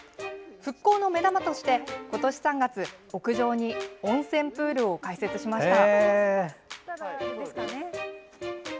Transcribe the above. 復興の目玉として、今年３月屋上に温泉プールを開設しました。